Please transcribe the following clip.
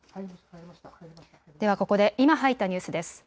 ではここで今入ったニュースです。